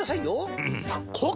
うん！